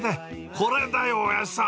これだよ、おやじさん。